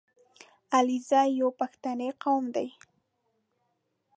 • علیزي یو پښتني قوم دی.